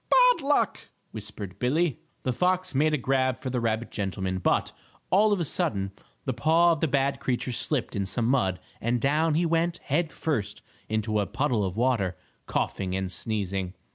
"Bad luck!" whispered Billie. The fox made a grab for the rabbit gentleman, but, all of a sudden, the paw of the bad creature slipped in some mud and down he went, head first, into a puddle of water, coughing and sneezing.